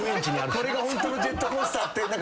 「これがホントのジェットコースター」って。